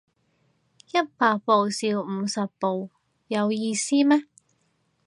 一百步笑五十步有意思咩